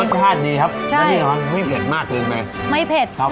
ชาติดีครับใช่แล้วนี่มันไม่เผ็ดมากเกินไปไม่เผ็ดครับ